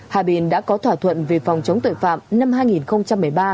hà bình đã có thỏa thuận về phòng chống tội phạm năm hai nghìn một mươi ba